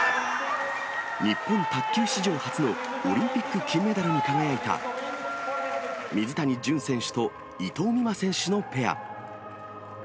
日本卓球史上初のオリンピック金メダルに輝いた、水谷隼選手と伊藤美誠選手のペア。